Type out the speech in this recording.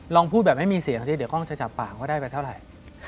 พูดแบบไม่มีเสียงสักทีเดี๋ยวกล้องจะจับปากว่าได้ไปเท่าไหร่